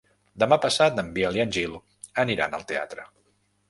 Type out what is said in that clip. Demà passat en Biel i en Gil aniran al teatre.